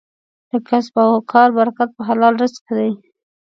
د کسب او کار برکت په حلال رزق کې دی.